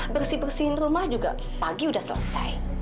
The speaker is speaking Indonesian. bersihin rumah juga pagi udah selesai